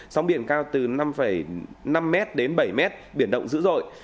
sóng biển cao từ năm năm m đến bảy m biển động dữ dội